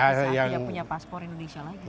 pada saat tidak punya paspor indonesia lagi